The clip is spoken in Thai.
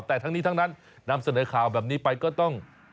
แต่ทั้งนี้ทั้งนั้นนำเสนอข่าวแบบนี้ไปก็ต้อง